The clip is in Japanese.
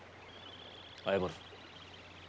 謝る。